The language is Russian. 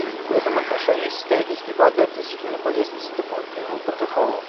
В этом отношении состоялись дебаты относительно полезности дополнительного протокола.